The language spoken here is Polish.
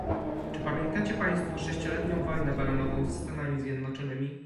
Czy pamiętacie państwo sześcioletnią wojnę bananową ze Stanami Zjednoczonymi?